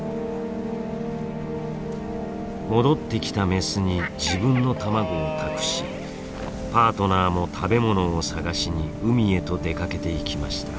戻ってきたメスに自分の卵を託しパートナーも食べ物を探しに海へと出かけていきました。